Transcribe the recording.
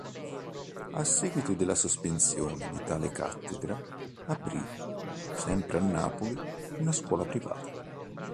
A seguito della soppressione di tale cattedra aprì, sempre a Napoli, una scuola privata.